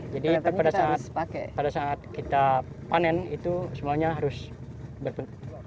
jadi pada saat kita panen itu semuanya harus berpencet